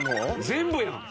全部やん！